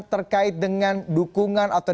terkait dengan dukungan atau